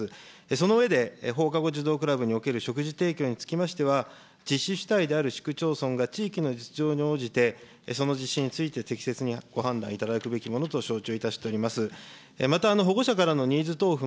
その上で、放課後児童クラブにおける食事提供につきましては、実施主体である市区町村が地域の実情に応じて、その実施について適切にご判断いただくべきものと承知をいたしております。